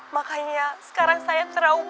makanya sekarang saya trauma